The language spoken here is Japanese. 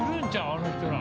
あの人ら。